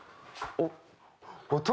おっ！